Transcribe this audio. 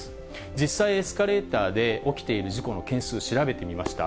実際、エスカレーターで起きている事故の件数調べてみました。